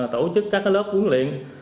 tổ chức các lớp huấn luyện